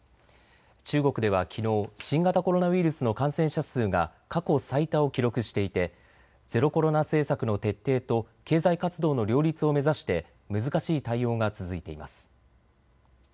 中国ではきのう新型コロナウイルスの感染者数が過去最多を記録していてゼロコロナ政策の徹底と経済活動の両立を目指して難しい対応が続いています。